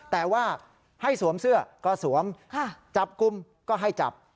แต่ว่าให้สวมเสื้อก็สวมจับกลุ่มก็ให้จับ